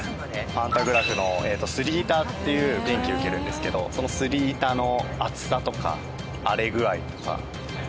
パンタグラフのすり板っていう電気受けるんですけどそのすり板の厚さとか荒れ具合とか状態を点検します。